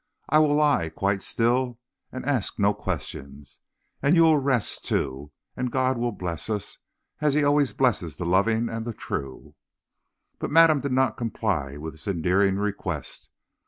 I will lie quite still and ask no questions, and you will rest, too; and God will bless us, as he always blesses the loving and the true." But madame did not comply with this endearing request.